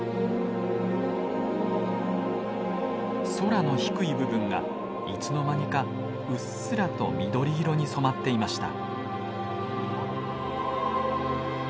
空の低い部分がいつの間にかうっすらと緑色に染まっていました。